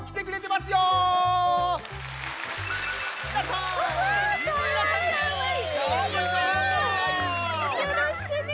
よろしくね。